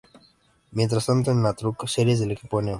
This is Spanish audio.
Mientas tanto en la Truck Series, el equipo No.